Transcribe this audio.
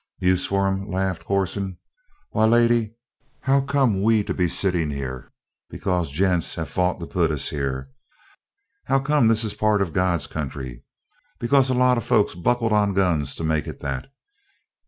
"Use for 'em?" laughed Corson. "Why, lady, how come we to be sitting here? Because gents have fought to put us here! How come this is part of God's country? Because a lot of folks buckled on guns to make it that!